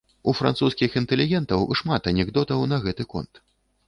У французскіх інтэлігентаў шмат анекдотаў на гэты конт.